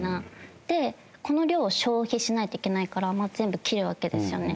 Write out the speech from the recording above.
でこの量を消費しないといけないから全部切るわけですよね。